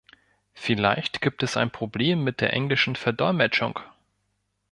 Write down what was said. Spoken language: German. Vielleicht gibt es ein Problem mit der englischen Verdolmetschung.